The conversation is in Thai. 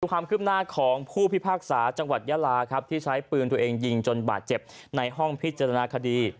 ความคืบหน้าของผู้พิพากษาจังหวัดยาลาครับที่ใช้ปืนตัวเองยิงจนบาดเจ็บในห้องพิจารณาคดี